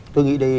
tôi nghĩ đây